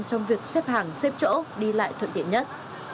trong việc xếp hàng xếp chỗ đi lại thuận tiện nhất